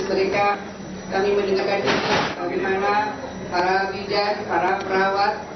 mereka kami mendengarkan di bad nya bagaimana para bidat para perawat